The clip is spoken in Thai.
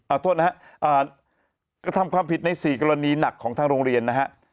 เอาโทษนะฮะกระทำความผิดใน๔กรณีหนักของทางโรงเรียนนะฮะ